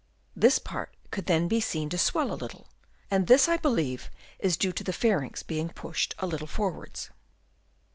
This part could then be seen to swell a little ; and this, I believe, is due to the pharynx being pushed a little forwards.